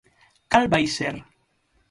¿Cal vai ser?